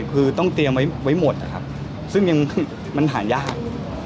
คือต้องเตรียมไว้หมดนะครับซึ่งยังมันหายาก